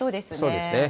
そうですね。